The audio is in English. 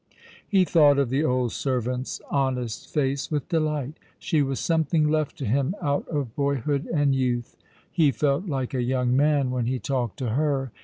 He thought of the old servant's honest face with delight. She was something left to him out of boyhood and youth. He felt like a young man when he talked to her.